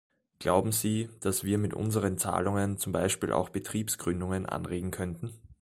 Glauben Sie, dass wir mit unseren Zahlungen zum Beispiel auch Betriebsgründungen anregen könnten?